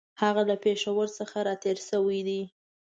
هغه له پېښور څخه را تېر شوی دی.